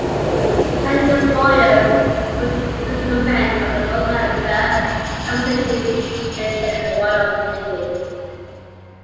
The Canadian destroyers were under the command of the "North America and West Indies Station" of the Royal Navy.